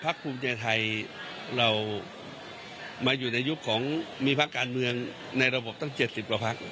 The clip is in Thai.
ภูมิใจไทยเรามาอยู่ในยุคของมีพักการเมืองในระบบตั้ง๗๐กว่าพัก